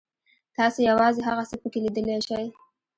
تاسو یوازې هغه څه پکې لیدلی شئ.